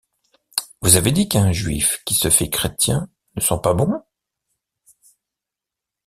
Vous avez dit qu’un juif qui se fait chrétien ne sent pas bon.